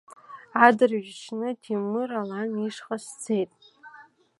Адырҩаҽны Ҭемыр Алан ишҟа сцеит.